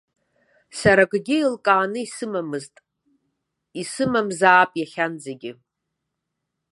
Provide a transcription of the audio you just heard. Сара акгьы еилкааны исымамызт, исымамзаап иахьанӡагьы.